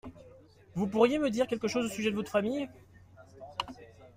Vous pourriez me dire quelque chose au sujet de votre famille ?